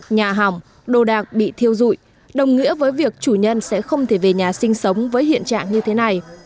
nhà hỏng đồ đạc bị thiêu dụi đồng nghĩa với việc chủ nhân sẽ không thể về nhà sinh sống với hiện trạng như thế này